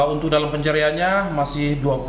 untuk dalam pencariannya masih dua puluh